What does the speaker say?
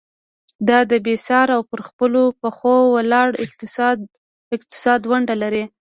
دا د بسیا او پر خپلو پخو ولاړ اقتصاد ونډه لري.